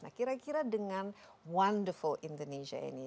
nah kira kira dengan wonderful indonesia ini